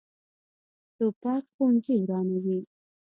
توپک ښوونځي ورانوي.